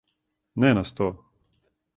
Не на сто.